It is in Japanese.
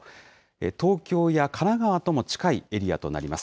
東京や神奈川とも近いエリアとなります。